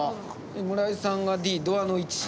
村井さんがＤ「ドアの位置」。